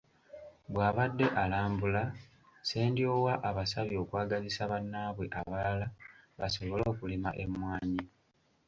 Bw'abadde alambula Ssendyowa abasabye okwagazisa bannaabwe abalala basobole okulima emmwanyi.